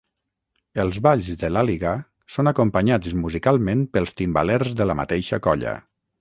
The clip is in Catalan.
Els balls de l'Àliga són acompanyats musicalment pels timbalers de la mateixa colla.